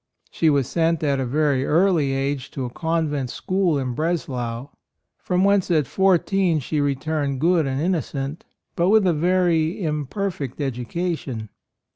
She was sent at a very early age to a convent school in Bres lau, from whence at fourteen 10 A ROYAL SON she returned good and innocent but with a very imperfect edu cation.